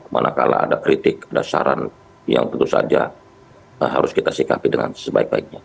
manakala ada kritik ada saran yang tentu saja harus kita sikapi dengan sebaik baiknya